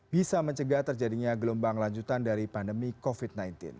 bisa mencegah terjadinya gelombang lanjutan dari pandemi covid sembilan belas